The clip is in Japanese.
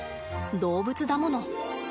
動物だもの。